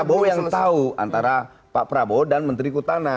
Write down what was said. pak prabowo yang tahu antara pak prabowo dan menteri kutana